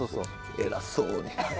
偉そうに。